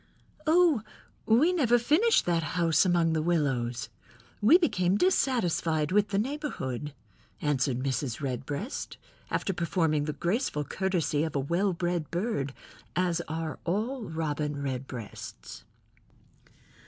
"Oh, we never finished that house among the willows. We became dissatisfied with the neighborhood," answered Mrs. Redbreast, after performing the graceful courtesy of a well bred bird, as are all Robin Redbreasts.